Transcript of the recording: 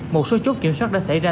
một số chốt kiểm soát đã xảy ra